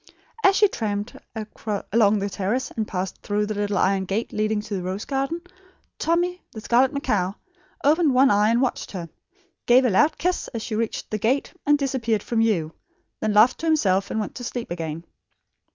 As she tramped along the terrace and passed through the little iron gate leading to the rose garden, Tommy, the scarlet macaw, opened one eye and watched her; gave a loud kiss as she reached the gate and disappeared from view, then laughed to himself and went to sleep again.